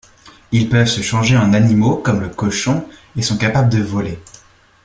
Ils peuvent se changer en animaux comme le cochon et sont capables de voler.